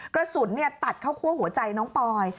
กระสุนตัดเข้าคั่วหัวใจน้องปอย